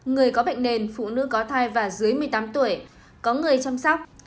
người có bệnh nền phụ nữ có thai và dưới một mươi tám tuổi có người chăm sóc